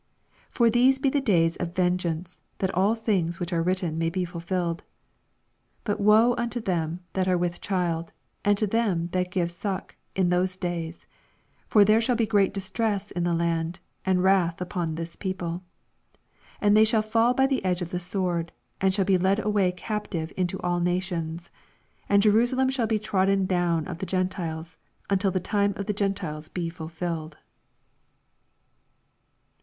22 For these he the days of venge ance, that all things which are writ 23 Bat woe anto them that are with child, and to them that give suck, in those days I for there shall be great distress m the land, and wrath upon this people. 24 And they shall fall by the edge of the sword, and shall be led away captive into all nations : and Jerusa lem shall be trodden down of the Gentiles, until the times of the Gen ten may be fulfilled. tiles be lulfllled.